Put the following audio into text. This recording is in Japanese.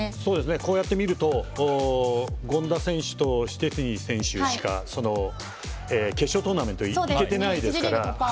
こうやって見ると権田選手とシュチェスニー選手しか決勝トーナメントに行けてないですから。